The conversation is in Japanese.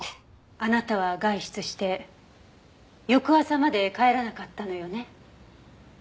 あなたは外出して翌朝まで帰らなかったのよね？